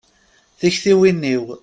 Tiktiwin-iw.